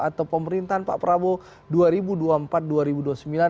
atau pemerintahan pak prabowo